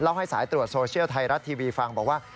ว่าไทยรัททีวีฟังบอกว่า